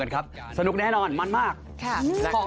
ก้องกลับมาก่อนยังเขาต้องจัดที่แมททิว